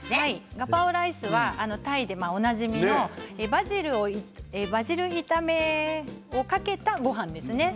ガパオライスはタイでおなじみのバジル炒めをかけたごはんですね。